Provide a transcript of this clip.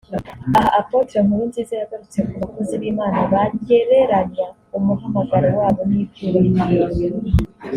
Aha Apôtre Nkurunziza yagarutse ku bakozi b’Imana bagereranya umuhamagaro wabo n’ibyubahiro